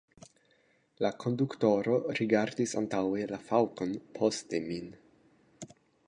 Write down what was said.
La konduktoro rigardis antaŭe la faŭkon, poste min.